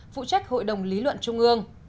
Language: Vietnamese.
phụ trách hội đồng lý luận trung ương